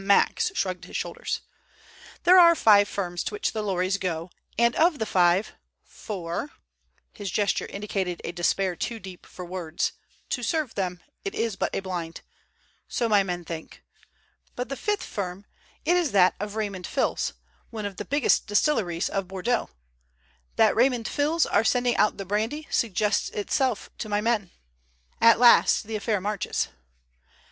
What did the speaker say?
Max shrugged his shoulders. "There are five firms to which the lorries go, and of the five, four—" His gesture indicated a despair too deep for words. "To serve them, it is but a blind; so my men think. But the fifth firm, it is that of Raymond Fils, one of the biggest distilleries of Bordeaux. That Raymond Fils are sending out the brandy suggests itself to my men. At last the affair marches."